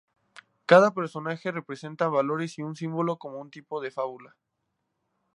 Cada personaje representa valores y un símbolo, como un tipo de fábula.